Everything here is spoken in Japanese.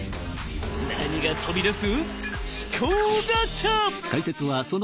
何が飛び出す？